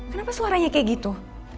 kenapa suaranya kayak gitu